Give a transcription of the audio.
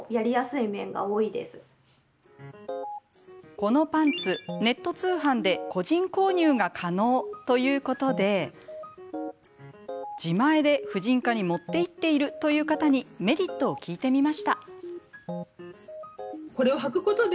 このパンツ、ネット通販で個人購入が可能ということで自前で婦人科に持って行っているという方にメリットを聞いてみました。